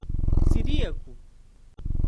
Ciríaco